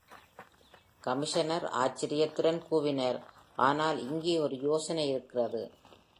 Commissioner ஆச்சரியத்துடன் கூவினாா், "ஆனால் இங்கே ஒரு யோசனை இருக்கிறது!"